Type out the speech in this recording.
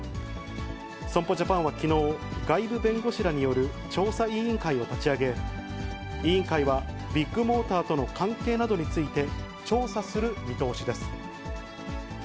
損保ジャパンはきのう、外部弁護士らによる調査委員会を立ち上げ、委員会は、ビッグモーターとの関係などについて調査する見通しです。